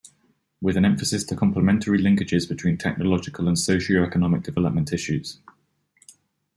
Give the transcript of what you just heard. With an emphasis to complementary linkages between technological and socio-economic development issues.